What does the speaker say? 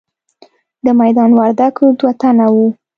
د میدان وردګو دوه تنه وو.